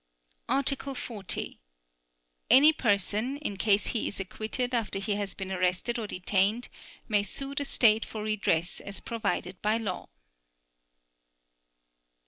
Article 40. Any person, in case he is acquitted after he has been arrested or detained, may sue the State for redress as provided by law.